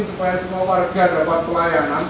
supaya semua warga dapat pelayanan